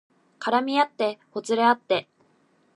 絡みあってほつれあって